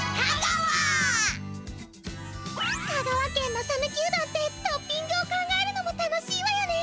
香川県のさぬきうどんってトッピングを考えるのも楽しいわよね。